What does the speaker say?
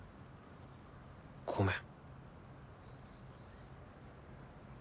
ごめん。